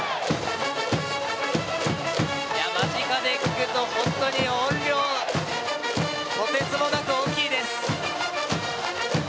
間近で聞くと、本当に音量とてつもなく大きいです！